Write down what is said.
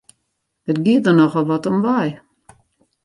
It gie der nochal wat om wei!